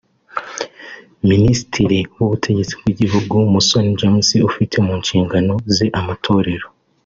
Minisitiri w’Ubutegetsi bw’Igihugu Musoni James ufite mu nshingano ze amotorero